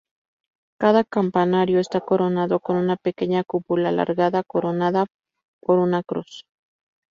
Cada campanario está coronado con una pequeña cúpula alargada, coronada por una cruz.